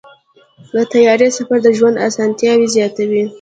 د طیارې سفر د ژوند اسانتیاوې زیاتوي.